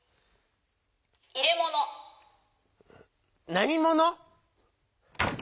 「なにもの」？